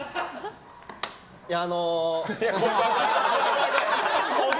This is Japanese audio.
いや、あの。